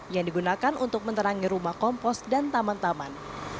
yang digunakan untuk menerangi rumah kompos dan taman taman